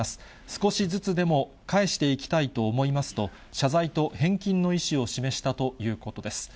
少しずつでも返していきたいと思いますと、謝罪と返金の意思を示したということです。